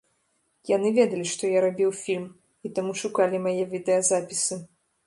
Яны ведалі, што я рабіў фільм, і таму шукалі мае відэазапісы.